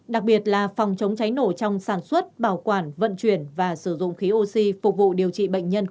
đặc biệt là phòng chống cháy nổ trong sản xuất bảo quản vận chuyển và sử dụng khí oxy phục vụ điều trị bệnh nhân covid một mươi chín